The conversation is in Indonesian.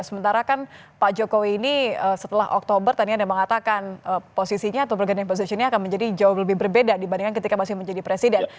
sementara kan pak jokowi ini setelah oktober tadi anda mengatakan posisinya atau berganding positionnya akan menjadi jauh lebih berbeda dibandingkan ketika masih menjadi presiden